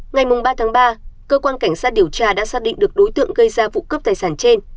ngày ba tháng ba cơ quan cảnh sát điều tra đã xác định được đối tượng gây ra vụ cướp tài sản trên